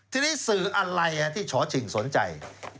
ทีนี้สื่ออะไรที่ช้อชิงสนใจ